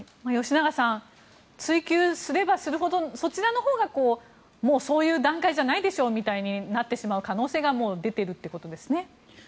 吉永さん追及すればするほどそちらのほうがもうそういう段階じゃないでしょってなってしまう可能性がもう出ているということですね。